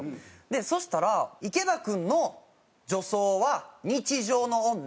そしたら「池田君の女装は日常の女」